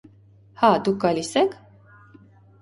Հա, դուք գալի՞ս եք…